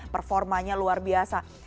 performanya luar biasa